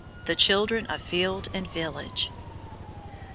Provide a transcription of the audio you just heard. THE CHILDREN OF FIELD AND VILLAGE.